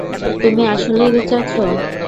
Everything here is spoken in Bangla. তুমি আসলেই বেঁচে আছো।